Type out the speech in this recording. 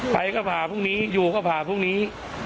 ไปก็ผ่าพรุ่งนี้อยู่ก็ผ่าพรุ่งนี้